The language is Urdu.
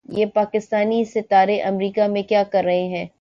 یہ پاکستانی ستارے امریکا میں کیا کررہے ہیں